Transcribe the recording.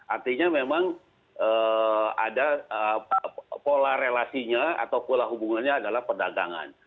artinya memang ada pola relasinya atau pola hubungannya adalah perdagangan